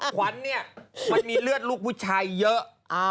ขวัญเนี่ยมันมีเลือดลูกผู้ชายเยอะ